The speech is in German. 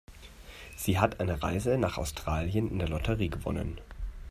Sie hat eine Reise nach Australien in der Lotterie gewonnen.